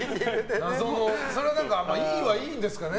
それは良いは良いんですかね。